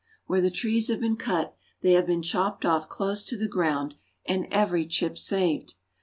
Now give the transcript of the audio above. Where the trees have been cut they have been chopped off close to the ground, and every chip saved.